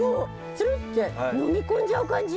ツルッて飲み込んじゃう感じ。